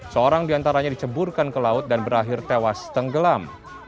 seorang diantaranya diceburkan ke laut dan berakhir tewas tenggelam